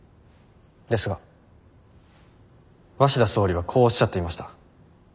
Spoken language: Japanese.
ですが鷲田総理はこうおっしゃっていました。